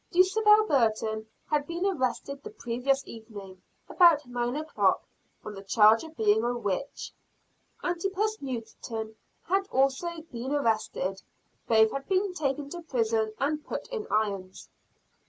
Dulcibel Burton had been arrested the previous evening, about nine o'clock, on the charge of being a witch. Antipas Newton had also been arrested. Both had been taken to prison, and put in irons.